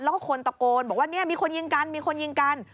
แล้วก็คนตะโกนบอกว่าเนี่ยมีคนยิงกันมีคนยิงกัน